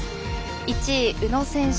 １位、宇野選手。